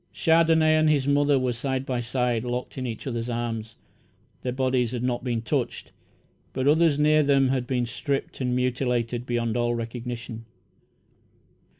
Chandonnais and his mother were side by side, locked in each other's arms. Their bodies had not been touched, but others near them had been stripped and mutilated beyond all recognition.